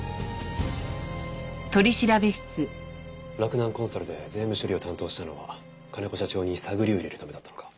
洛南コンサルで税務処理を担当したのは金子社長に探りを入れるためだったのか？